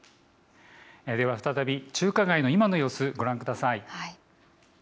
では再び中華街の今の様子、ご覧ください。